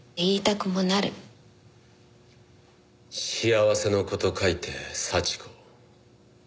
幸せの子と書いて幸子。